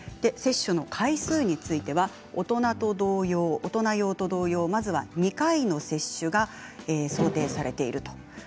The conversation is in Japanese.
接種の回数について大人用と同様まずは２回の接種が想定されている。